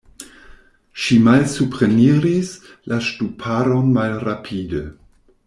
Ŝi malsupreniris la ŝtuparon malrapide.